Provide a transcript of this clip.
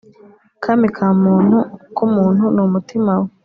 Kami ka muntu [k’umuntu] ni umutima we.